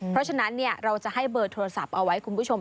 เพราะฉะนั้นเราจะให้เบอร์โทรศัพท์เอาไว้คุณผู้ชม